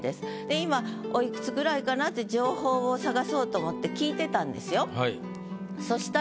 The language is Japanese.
で今おいくつぐらいかなって情報を探そうと思って聞いてたんですよ。